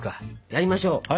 やりましょう。